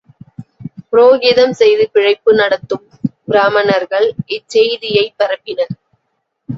புரோகிதம் செய்து பிழைப்பு நடத்தும் பிராமணர்கள் இச்செய்தியைப் பரப்பினர்.